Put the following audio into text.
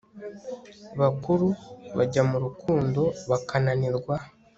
bakuru bajya murukundo bakananirwa